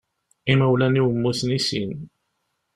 Imawlan-iw mmuten i sin.